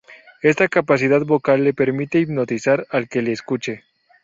Esta capacidad vocal le permite hipnotizar al que le escucha.